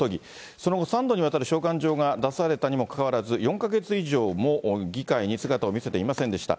その後、３度にわたる召喚状が出されたにもかかわらず、４か月以上も議会に姿を見せていませんでした。